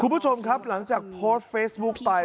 คุณผู้ชมครับหลังจากโพสต์เฟซบุ๊คไป